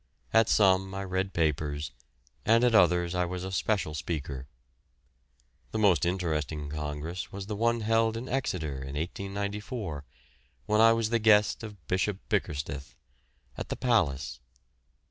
At some I read papers and at others I was a special speaker. The most interesting congress was the one held in Exeter in 1894, when I was the guest of Bishop Bickersteth, at the Palace.